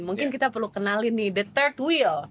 mungkin kita perlu kenalin nih the third wheel